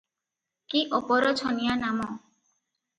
କି ଅପରଛନିଆ ନାମ!